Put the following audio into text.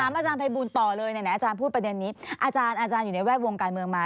อาจารย์ภัยบูลต่อเลยไหนอาจารย์พูดประเด็นนี้อาจารย์อยู่ในแวดวงการเมืองมา